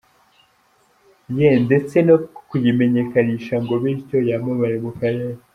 ye ndetse no kuyimenyekanisha ngo bityo yamamare mu karere.